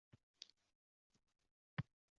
– bir joyda faoliyat yuritadigan dehqonlar